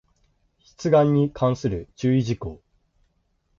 出願に関する注意事項